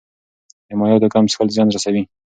د مایعاتو کم څښل زیان رسوي.